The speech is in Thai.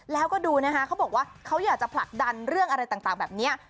แล้วก็ดูนะคะเขาบอกว่าเขาอยากจะผลักดันเรื่องอะไรต่างแบบนี้